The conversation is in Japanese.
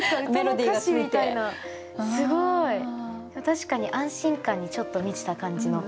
確かに安心感にちょっと満ちた感じの。